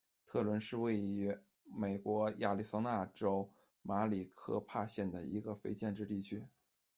特伦是位于美国亚利桑那州马里科帕县的一个非建制地区。